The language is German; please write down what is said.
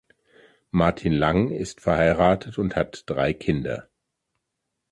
Martin Lang ist verheiratet und hat drei Kinder.